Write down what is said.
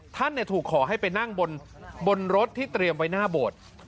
ท่านถูกขอให้ไปนั่งบนรถที่เตรียมไว้หน้าโบสถ์